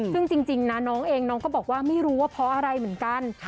ซึ่งจริงนะน้องเองน้องก็บอกว่าไม่รู้ว่าเพราะอะไรเหมือนกัน